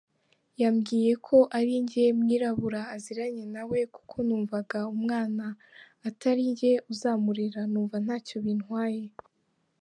Yabwiye ko arinjye mwirabura aziranye nawe kuko numvaga umwana atarinjye uzamurera numva ntacyo bintwaye”.